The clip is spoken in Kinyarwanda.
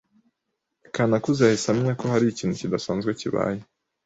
Kanakuze yahise amenya ko hari ikintu kidasanzwe kibaye.